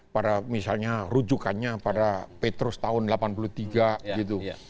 pada misalnya rujukannya pada petrus tahun seribu sembilan ratus delapan puluh tiga gitu